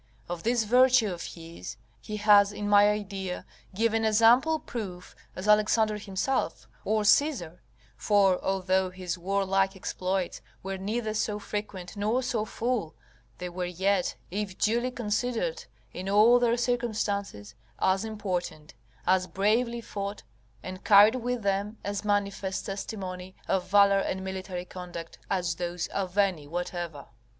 Of this virtue of his, he has, in my idea, given as ample proof as Alexander himself or Caesar: for although his warlike exploits were neither so frequent nor so full, they were yet, if duly considered in all their circumstances, as important, as bravely fought, and carried with them as manifest testimony of valour and military conduct, as those of any whatever.